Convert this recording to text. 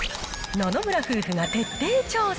野々村夫婦が徹底調査。